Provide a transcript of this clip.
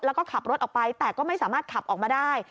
แล้วก็ขับรถออกไปแต่ก็ไม่สามารถขับออกมาได้